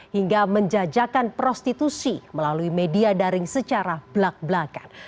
hingga menjajakan prostitusi melalui media daring secara belak belakan